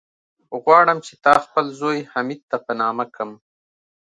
غواړم چې تا خپل زوی، حميد ته په نامه کم.